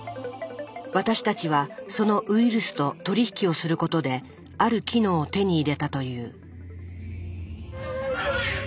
私たちはそのウイルスと取り引きをすることである機能を手に入れたという。